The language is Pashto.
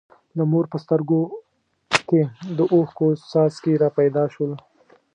د مور په سترګو کې د اوښکو څاڅکي را پیدا شول.